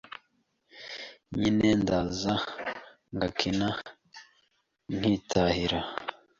Nyine ndaza ngakina nkitahira